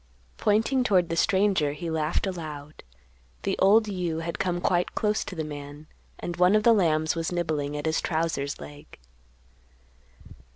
Pointing toward the stranger, he laughed aloud. The old ewe had come quite close to the man, and one of the lambs was nibbling at his trousers' leg.